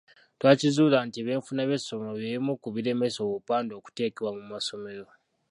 Twakizuula nti ebyenfuna by’essomero bye bimu ku biremesa obupande okutekebwa mu masomero.